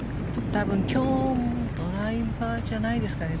多分、今日もドライバーじゃないですかね。